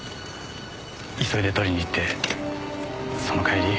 急いで取りにいってその帰り。